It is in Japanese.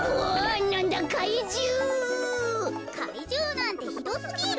かいじゅうなんてひどすぎる。